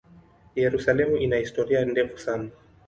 Yerusalemu ina historia ndefu sana.